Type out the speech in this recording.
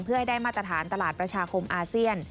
เพื่อให้ได้มาตรฐานตลาดประชาคมอาเซียน